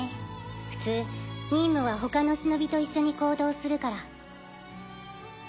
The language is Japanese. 普通任務は他の忍と一緒に行動するから。